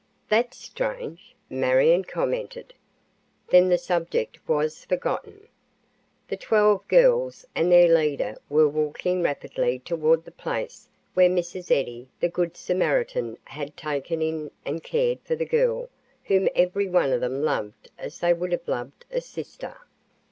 "That's strange," Marion commented. Then the subject was forgotten. The twelve girls and their leader were walking rapidly toward the place where Mrs. Eddy, the good Samaritan, had taken in and cared for the girl whom every one of them loved as they would have loved a sister.